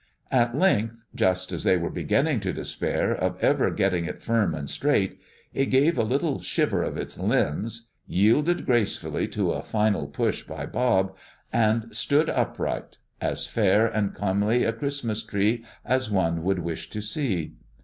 At length, just as they were beginning to despair of ever getting it firm and straight, it gave a little quiver of its limbs, yielded gracefully to a final push by Bob, and stood upright, as fair and comely a Christmas tree as one would wish to see.